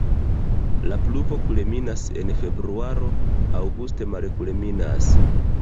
La pluvo kulminas en februaro, aŭguste malkulminas.